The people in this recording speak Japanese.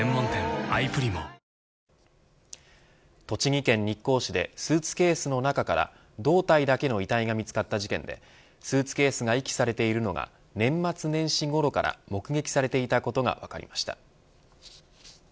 栃木県日光市でスーツケースの中から胴体だけの遺体が見つかった事件でスーツケースが遺棄されているのが年末年始ごろから目撃されていたことが分かりました。